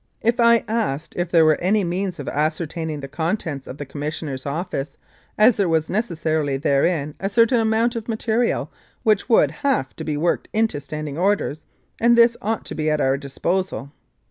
I asked if there were any means of ascertaining the contents of the Commis sioner's office, as there was necessarily therein a certain amount of material which would have to be worked into Standing Orders, and this ought to be at our disposal.